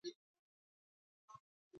که ونې شنې شي، نو چاپېریال به ښکلی شي.